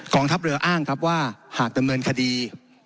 กองทัพเรืออ้างครับว่าหากเติมเมินคดี